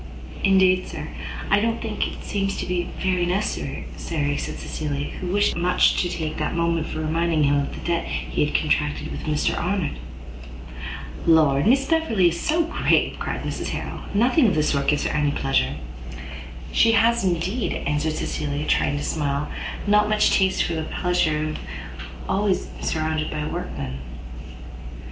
"Indeed, sir, I don't think it seems to be very necessary," said Cecilia, who wished much to take that moment for reminding him of the debt he had contracted with Mr Arnott. "Lord, Miss Beverley is so grave!" cried Mrs Harrel; "nothing of this sort gives her any pleasure." "She has indeed," answered Cecilia, trying to smile, "not much taste for the pleasure of being always surrounded by workmen."